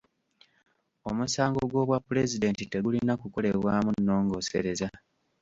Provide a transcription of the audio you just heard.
Omusango g’obwapulezidenti tegulina kukolebwamu nnongoosereza.